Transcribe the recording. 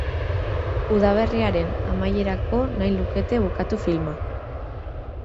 Udaberriaren amaierako nahi lukete bukatu filma.